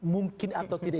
mungkin atau tidak